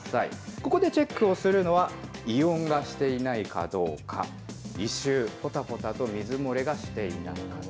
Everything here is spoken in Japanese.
ここでチェックをするのは、異音かしていないかどうか、異臭、ぽたぽたと水漏れがしていないか。